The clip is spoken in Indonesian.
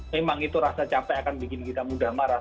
memang itu rasa capek akan bikin kita mudah marah